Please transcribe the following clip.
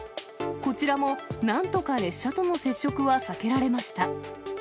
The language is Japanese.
こちらも、なんとか列車との接触は避けられました。